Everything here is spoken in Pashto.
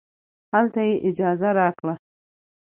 هلته یې اجازه راکړه.